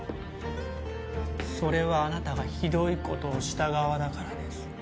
それはあなたがひどいことをした側だからです